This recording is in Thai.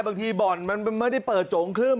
บ่อนมันไม่ได้เปิดโจงครึ่ม